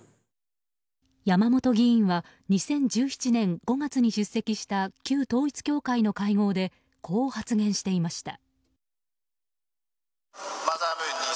山本議員は２０１７年５月に出席した旧統一教会の会合でこう発言していました。